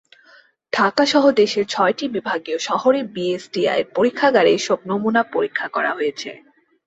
ঢাকাসহ দেশের ছয়টি বিভাগীয় শহরে বিএসটিআইয়ের পরীক্ষাগারে এসব নমুনা পরীক্ষা করা হয়েছে।